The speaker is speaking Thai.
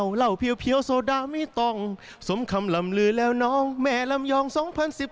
วันนี้มาสัมภาษณ์ใกล้กันก็เลยขอแจมน้องสักหน่อยนะครับ